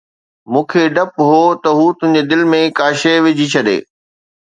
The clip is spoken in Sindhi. مون کي ڊپ هو ته هو تنهنجي دل ۾ ڪا شيءِ وجهي ڇڏي